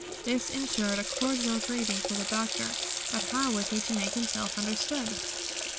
This insured a cordial greeting for the Doctor, but how was he to make himself understood?